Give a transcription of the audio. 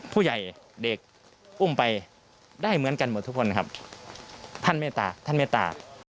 ผู้ใหญ่เด็กอุ้มไปได้เหมือนกันหมดทุกคนครับท่านเมตตาท่านเมตตา